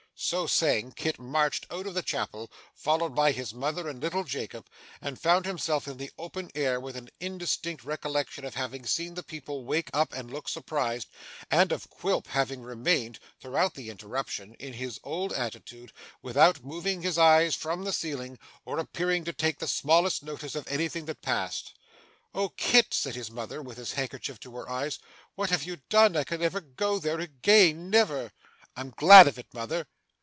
So saying, Kit marched out of the chapel, followed by his mother and little Jacob, and found himself in the open air, with an indistinct recollection of having seen the people wake up and look surprised, and of Quilp having remained, throughout the interruption, in his old attitude, without moving his eyes from the ceiling, or appearing to take the smallest notice of anything that passed. 'Oh Kit!' said his mother, with her handkerchief to her eyes, 'what have you done! I never can go there again never!' 'I'm glad of it, mother.